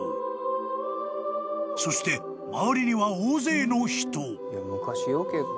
［そして周りには大勢の人］